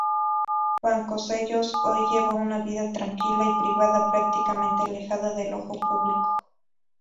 Vasconcellos hoy lleva una vida tranquila y privada, prácticamente alejada del ojo público.